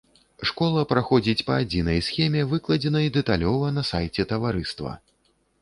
Школа праходзіць па адзінай схеме, выкладзенай дэталёва на сайце таварыства.